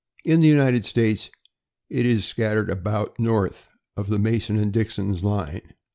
In the United States, it is scattered about north of Mason and Dixon's line.